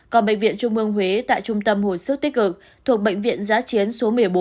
còn bệnh viện trung ương huế tại trung tâm hồi sức tích cực thuộc bệnh viện giá chiến số một mươi bốn